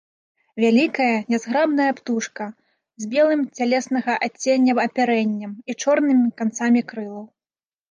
Вялікая, нязграбная птушка, з белым цялеснага адцення апярэннем і чорнымі канцамі крылаў.